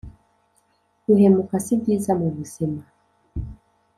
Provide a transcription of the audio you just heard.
guhemuka sibyiza mu buzima